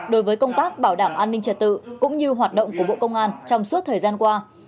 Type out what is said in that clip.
đối với công tác bảo đảm an ninh trật tự cũng như hoạt động của bộ công an trong suốt thời gian qua